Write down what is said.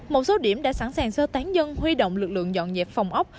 một số điểm đã sẵn sàng sơ tán dân huy động lực lượng dọn dẹp phòng ốc